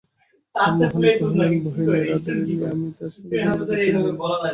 হরিমোহিনী কহিলেন, ভয় নেই রাধারানী, আমি তাঁর সঙ্গে ঝগড়া করতে যাই নি।